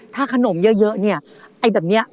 ถ้าขนมเยอะเนี่ยไอ้แบบนี้